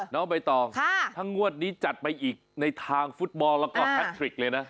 น้องใบตองถ้างวดนี้จัดไปอีกในทางฟุตบอลแล้วก็แฮทริกเลยนะ